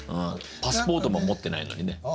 パスポートも持ってないのにね。